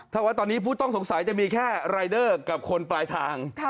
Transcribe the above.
ถ้าว่าตอนนี้ผู้ต้องสงสัยจะมีแค่รายเดอร์กับคนปลายทาง